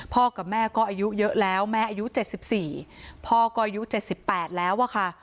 กับแม่ก็อายุเยอะแล้วแม่อายุ๗๔พ่อก็อายุ๗๘แล้วอะค่ะ